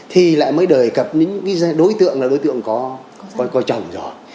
thì lại mới đề cập đến những cái đối tượng là đối tượng có chồng rồi